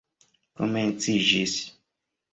komenciĝis